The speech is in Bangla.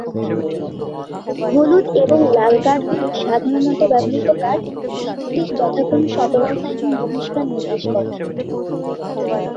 হলুদ এবং লাল কার্ড হল সাধারনত ব্যবহৃত কার্ড, যে দুটি যথাক্রমে সতর্কতা এবং বহিষ্কার নির্দেশ করে।